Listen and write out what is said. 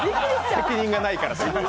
責任がないからって。